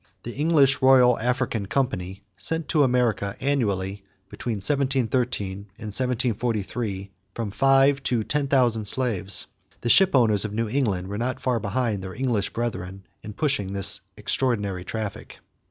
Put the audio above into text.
The English Royal African Company sent to America annually between 1713 and 1743 from five to ten thousand slaves. The ship owners of New England were not far behind their English brethren in pushing this extraordinary traffic.